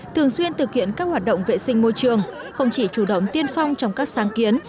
thường xuyên thực hiện các hoạt động vệ sinh môi trường không chỉ chủ động tiên phong trong các sáng kiến